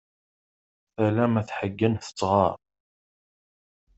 Tala ma tḥeggen tettɣar!